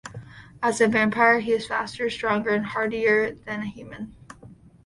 As a vampire, he is faster, stronger, and hardier than a human.